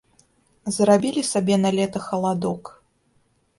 Зрабілі сабе на лета халадок.